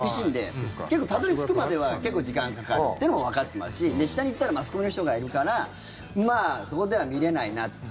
スタンバイするにはパスが厳しいんで結構、たどり着くまでは結構、時間がかかるっていうのはわかってますし下に行ったらマスコミの人がいるからまあ、そこでは見れないなって。